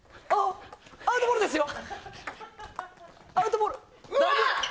アウトボールですよ。